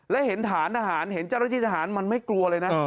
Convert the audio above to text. และเห็นฐานทหารเห็นเจ้าหน้าที่ทหารมันไม่กลัวเลยนะ